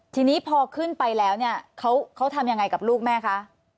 ทีนี้พอขึ้นไปแล้วเนี่ยเขาทำยังไงกับลูกแม่คะ